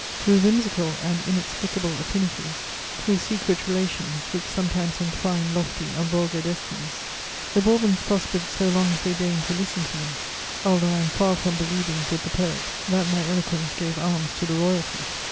Through whimsical and inexplicable affinities, through secret relations which sometimes entwine lofty and vulgar destinies, the Bourbons prospered so long as they deigned to listen to me, although I am far from believing, with the poet, that "my eloquence gave alms to the Royalty."